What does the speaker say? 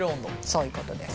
そういうことです。